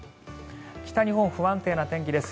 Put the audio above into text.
北日本、不安定な天気です。